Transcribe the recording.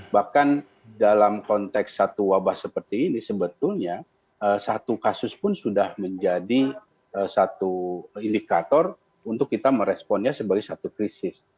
bahkan dalam konteks satu wabah seperti ini sebetulnya satu kasus pun sudah menjadi satu indikator untuk kita meresponnya sebagai satu krisis